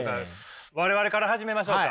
我々から始めましょうか。